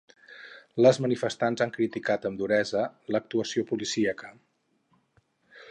Les manifestants han criticat amb duresa l’actuació policíaca.